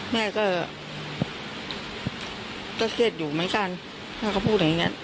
แม่ก็เครียดอยู่เหมือนกันถ้าเขาพูดอย่างนี้